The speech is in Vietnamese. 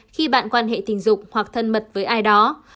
khi bạn quan hệ tình dục hoặc thân mật với ai đó